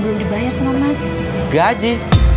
belum dibayar sama mas gaji